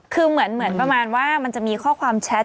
คือเหมือนประมาณว่ามันจะมีข้อความแชท